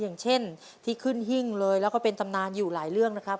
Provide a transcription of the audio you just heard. อย่างเช่นที่ขึ้นหิ้งเลยแล้วก็เป็นตำนานอยู่หลายเรื่องนะครับ